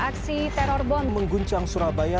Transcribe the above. aksi teror bom mengguncang surabaya